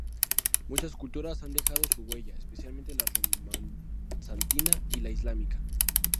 Muchas culturas han dejado su huella, especialmente las romano-bizantina y la islámica.